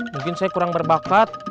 mungkin saya kurang berbakat